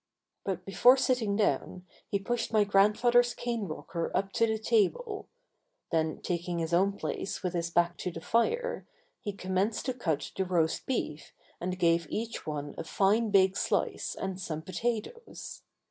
But before sitting down he pushed my grandfather's cane rocker up to the table. Then taking his own place with his back to the fire, he commenced to cut the roast beef and gave each one a fine big slice and some potatoes.